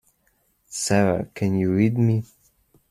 Sara can you read me?